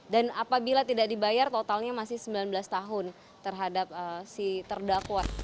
dan apabila tidak dibayar totalnya masih sembilan belas tahun terhadap si terdakwa